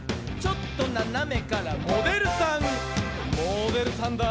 「ちょっとななめからモデルさん」